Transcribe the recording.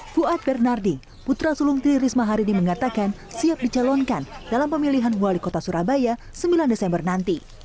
fuad bernardi putra sulung tri risma hari ini mengatakan siap dicalonkan dalam pemilihan wali kota surabaya sembilan desember nanti